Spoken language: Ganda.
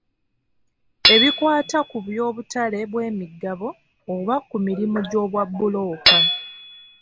Ebikwata ku by'obutale bw'emigabo oba ku mirimu gy'obwabbulooka.